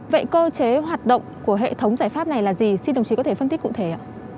vậy cơ chế hoạt động của hệ thống giải pháp này là gì xin đồng chí có thể phân tích cụ thể ạ